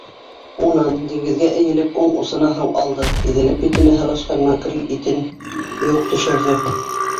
Унан, диңгеҙгә эйелеп, уң усына һыу алды, иҙелеп битенә һылашҡан макрель итен йыуып төшөрҙө.